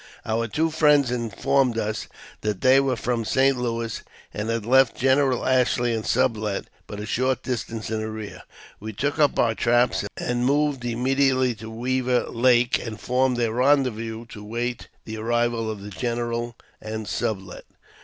Our two friends informed us that they were from St. Louis, and had left General Ashley and Sublet but a short distance in the rear. We took up our traps and moved immediately to Weaver Lake, and formed a rendezvous to wait the arrival of the general and Sublet.